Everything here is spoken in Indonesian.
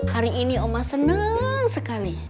hari ini oma senang sekali